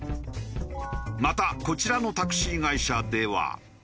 またこちらのタクシー会社では。